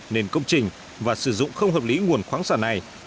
nên công trình và sử dụng không hợp lý nguồn khoáng sản này